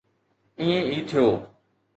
ائين ئي ٿيو.